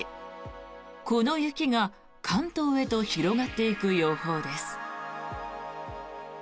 この雪が関東へと広がっていく予報です。